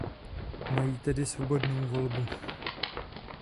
Mají tedy svobodnou volbu.